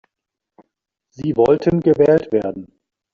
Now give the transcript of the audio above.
Sie wollten gewählt werden.